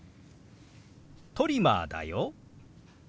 「トリマーだよ」。